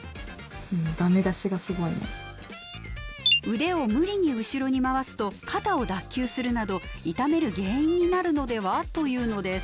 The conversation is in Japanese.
「腕を無理に後ろに回すと肩を脱臼するなど痛める原因になるのでは？」というのです。